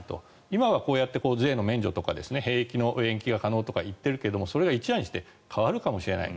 今はこうやって税の免除とか兵役の延期が可能とか言っているけれどもそれが一夜にして変わるかもしれない。